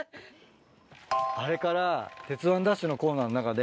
あれから『鉄腕！ＤＡＳＨ‼』のコーナーの中で。